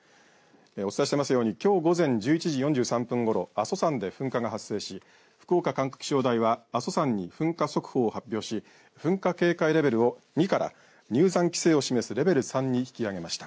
お伝えしていますようにきょう午前１１時４３分ごろ阿蘇山で噴火が発生して福岡管区気象台は阿蘇山に噴火速報を発表し噴火警戒レベルを２から入山規制を示すレベル３に引き上げました。